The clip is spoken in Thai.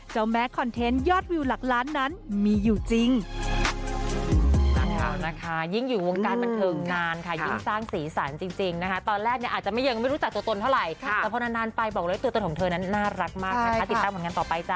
แม้คอนเทนต์ยอดวิวหลักล้านนั้นมีอยู่จริง